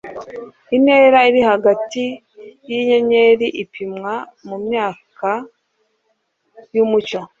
intera iri hagati yinyenyeri ipimwa mumyaka yumucyo